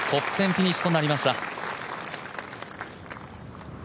フィニッシュとなりました。